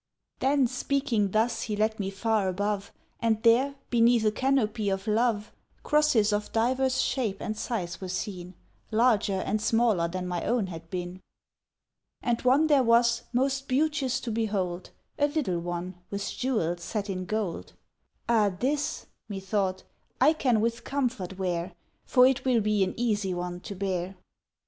Then, speaking thus, he led me far above, And there, beneath a canopy of love, Grosses of divers shape and size were seen, Larger and smaller than my own had been. And one there was, most beauteous to behold, A little one, with jewels set in gold. "Ah! this," methought, "I can with comfort wear, For it will be an easy one to bear."